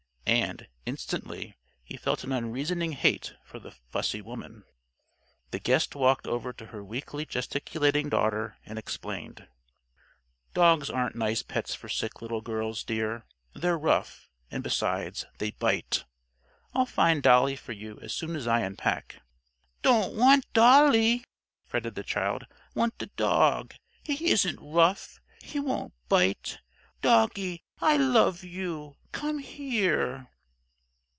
And, instantly, he felt an unreasoning hate for the fussy woman. The guest walked over to her weakly gesticulating daughter and explained: "Dogs aren't nice pets for sick little girls, dear. They're rough; and besides, they bite. I'll find Dolly for you as soon as I unpack:" "Don't want Dolly," fretted the child. "Want the dog! He isn't rough. He won't bite. Doggie! I love you! Come _here!